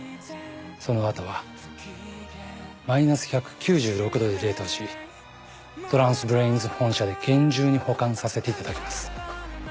その後はマイナス１９６℃で冷凍しトランスブレインズ本社で厳重に保管させていただきます